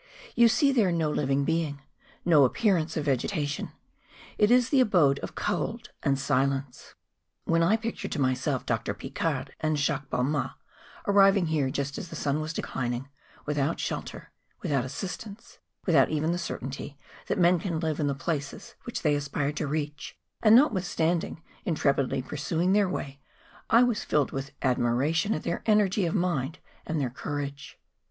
You see there no living being, no appearance of vegetation ; it is the abode of cold and silence. When I pic¬ tured to myself Doctor Paccard and Jacques Balmat arriving here just as the sun was declining, without shelter, without assistance, without even the cer¬ tainty that men can live in the places which they aspired to reach, and notwithstanding, intrepidly pursuing their way, I was filled with admiration at their energy of mind and their courage.